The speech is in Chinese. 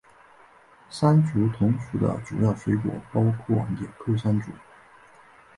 山竹同属的主要水果包括钮扣山竹。